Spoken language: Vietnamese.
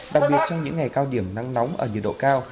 đặc biệt trong những ngày cao điểm nắng nóng ở nhiệt độ cao